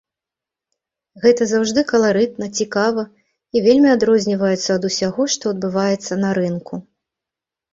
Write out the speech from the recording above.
Гэта заўжды каларытна, цікава і вельмі адрозніваецца ад усяго, што адбываецца на рынку.